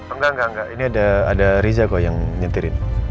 engga engga engga ini ada riza yang nyetirin